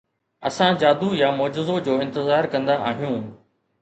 اسان جادو يا معجزو جو انتظار ڪندا آهيون.